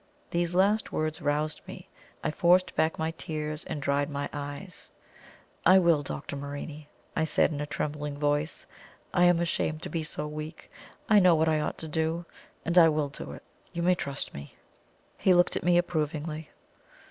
These last words roused me. I forced back my tears, and dried my eyes. "I will, Dr. Morini," I said, in a trembling voice. "I am ashamed to be so weak. I know what I ought to do, and I will do it. You may trust me." He looked at me approvingly.